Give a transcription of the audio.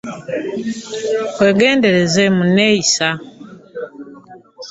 Weegendereze mu nneeyisa.